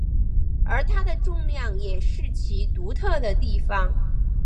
而它的重量也是其独特的地方。